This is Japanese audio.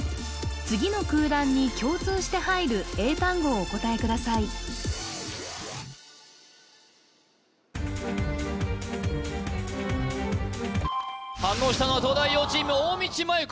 次の空欄に共通して入る英単語をお答えください反応したのは東大王チーム大道麻優子